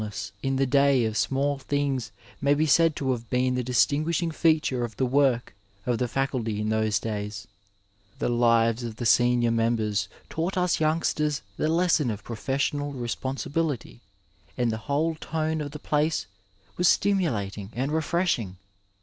200 Digitized by Google AFTER TWENTY FIVE YEARS in the day of small things may be said to have been the distinguishing feature of the work of the Faculty in those days. The Hyes of the senior members taught us youngsters the lesson of professional responsibility, and the whole tone of the place was stimulating and refreshing.